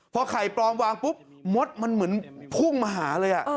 พอไข่ปลอมวางปุ๊บมดมันเหมือนพุ่งมาหาเลย